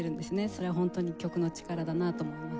それは本当に曲の力だなと思います。